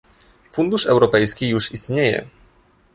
Fundusz europejski już istnieje